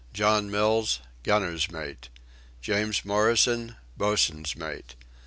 John Mills: Gunner's Mate. James Morrison: Boatswain's Mate.